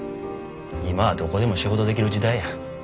今はどこでも仕事できる時代や。